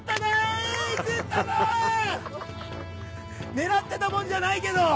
狙ってたもんじゃないけど。